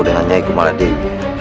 dengan nyai kumala dewi